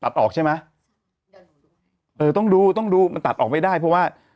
ตัดออกใช่ไหมเออต้องดูต้องดูมันตัดออกไม่ได้เพราะว่า